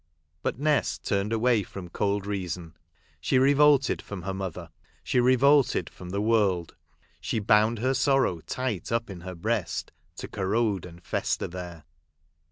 But Nest turned away from eold reason ; she revolted from her mother ; she revolted from the world. She bound her sorrow tight up in her breast, to corrode and fester there.